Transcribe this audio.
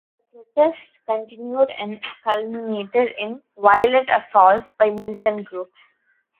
The protests continued and culminated in violent assaults by militant groups.